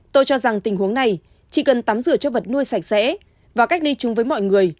tôi cho rằng tình huống này chỉ cần tắm rửa cho vật nuôi sạch sẽ và cách ly chung với mọi người